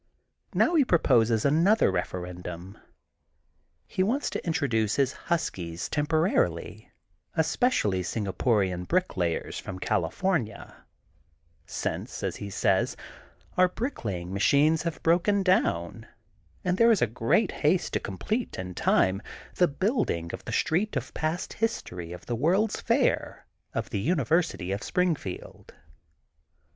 Now he proposes an THE GOLDEN BOOK OF SPRINGFIELD 286 other referendnm. He wants to introduce his huskies temporarily, especially Singaporian bricklayers from California, since, as he says, our bricklaying machines have broken down and there is great haste to complete, in time, the building of the Street of Past History of the World 's Fair of the University of Spring field.